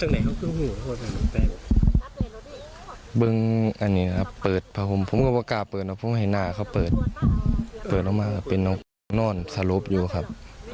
แล้วพวกมันให้หน้าเขาเปิดเปิดลงมาเป็นน้องนอนสรุปอยู่ครับ